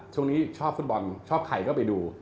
ช่วงนี้ชอบฟุตบอลชอบใครก็ไปดู